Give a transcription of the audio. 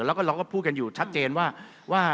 แล้วก็เราก็พูดกันอยู่ชัดเจนว่า